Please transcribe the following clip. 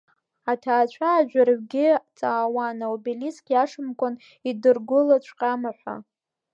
Аҭаацәа аӡәырҩгьы ҵаауан аобелиск иашамкәан идыргылаҵәҟьама ҳәа.